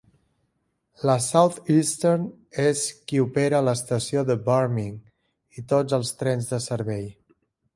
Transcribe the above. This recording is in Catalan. La Southeastern és qui opera l'estació de Barming i tots els trens de servei.